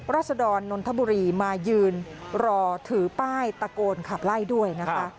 ศดรนนทบุรีมายืนรอถือป้ายตะโกนขับไล่ด้วยนะคะ